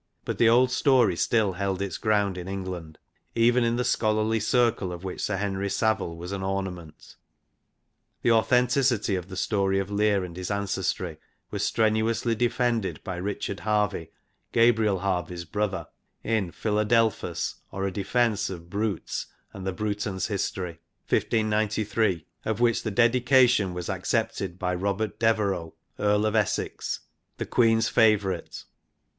But the old story still held its ground in England, even in the scholarly circle of which Sir Henry Savile was an ornament. The authenti city of the story of Lear and his ancestry was strenuously defended by Richard Harvey, Gabriel Harvey's brother, in Philadelphia*, or A Defence of Brutes , and the Brutans History (1593), of which the dedication was accepted by Robert Devereux, Earl of Essex, the Queen's favourite.